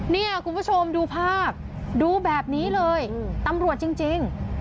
เนี่ยคุณผู้ชมดูภาพดูแบบนี้เลยตำรวจจริง